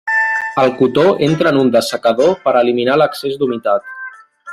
El cotó entra en un dessecador per eliminar l'excés d'humitat.